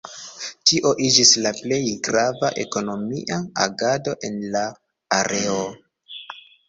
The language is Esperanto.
Tio iĝis la plej grava ekonomia agado en la areo.